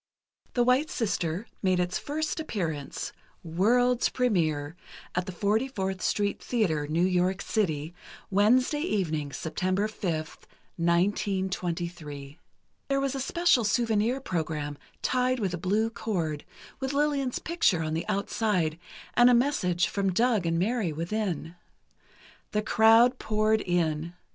"The White Sister" made its first appearance, "World's Premiere," at the 44th Street Theatre, New York City, Wednesday evening, September 5, 1923. There was a special souvenir program, tied with a blue cord, with Lillian's picture on the outside and a message from Doug and Mary within. The crowd poured in.